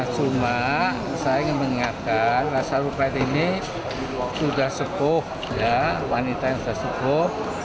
cuma saya ingin mengingatkan ratna sarumpait ini sudah sepuh wanita yang sudah cukup